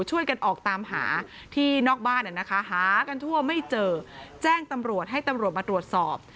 ช่วยกันออกตามหาที่นอกบ้านนะคะหากันทั่วไม่เจอแจ้งตำรวจให้ตำรวจมาตรวจสอบ